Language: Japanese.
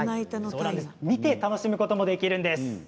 見て楽しむこともできます。